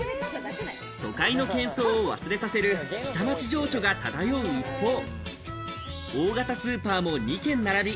都会のけん騒を忘れさせる、下町情緒が漂う一方、大型スーパーも２軒並び。